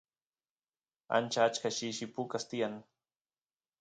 ancha achka shishi pukas tiyan